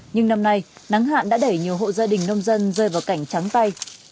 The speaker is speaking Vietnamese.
nhưng năm nay nắng hạn đã đẩy nhiều hộ gia đình nông dân rơi vào cảnh trắng tay